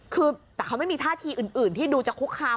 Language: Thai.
คือแต่เขาไม่มีท่าทีอื่นที่ดูจะคุกคาม